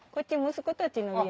息子たちの家。